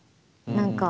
何か。